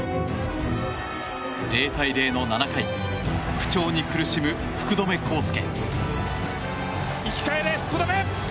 ０対０の７回不調に苦しむ福留孝介。